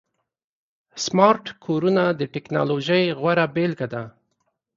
سمارټ کورونه د ټکنالوژۍ غوره بيلګه ده.